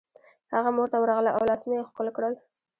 هغه مور ته ورغله او لاسونه یې ښکل کړل